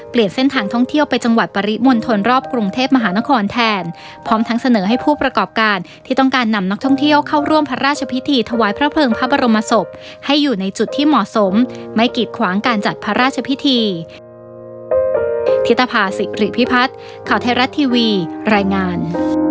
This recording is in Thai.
เปลี่ยนเส้นทางท่องเที่ยวไปจังหวัดปริมวล